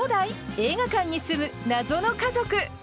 映画館に住む謎の家族。